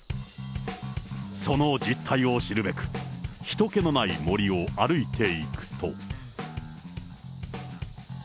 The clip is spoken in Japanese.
その実態を知るべく、人けのない森を歩いていくと。